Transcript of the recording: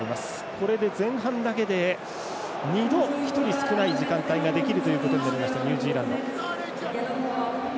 これで、前半だけで２度１人少ない時間ができることになりましたニュージーランド。